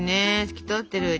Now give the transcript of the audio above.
透き通ってる。